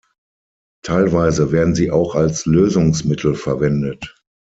Teilweise werden sie auch als Lösungsmittel verwendet.